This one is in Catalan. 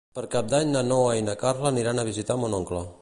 Per Cap d'Any na Noa i na Carla aniran a visitar mon oncle.